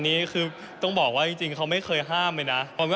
นี้คือต้องบอกว่าจริงเขาไม่เคยห้ามเลยนะ